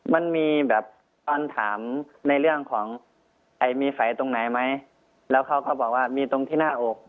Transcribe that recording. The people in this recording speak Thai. มันมีแบบตอนถามในเรื่องของมีแฝตรงไหนไหมแล้วเขาก็บอกว่ามีตรงที่หน้าอก